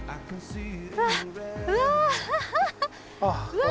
うわ！